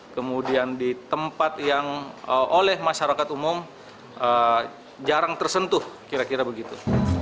kemudian di tempat yang oleh masyarakat umum jarang tersentuh kira kira begitu